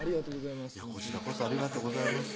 ありがとうございます